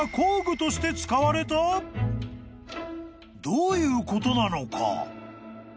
［どういうことなのか？］